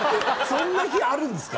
そんな日あるんですか？